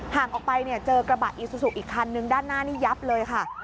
ห่างออกไปเนี่ยเจอกระบะอีซูซูอีกคันนึงด้านหน้านี่ยับเลยค่ะ